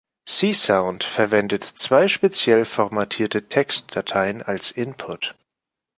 Csound verwendet zwei speziell formatierte Textdateien als Input.